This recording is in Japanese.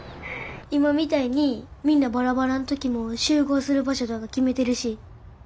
今みたいにみんなバラバラの時も集合する場所とか決めてるし。